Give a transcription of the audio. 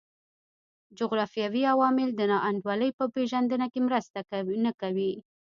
جغرافیوي عوامل د نا انډولۍ په پېژندنه کې مرسته نه کوي.